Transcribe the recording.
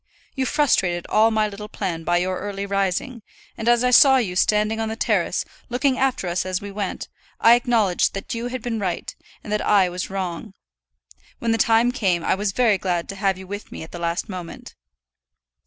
You frustrated all my little plan by your early rising; and as I saw you standing on the terrace, looking after us as we went, I acknowledged that you had been right, and that I was wrong. When the time came, I was very glad to have you with me at the last moment.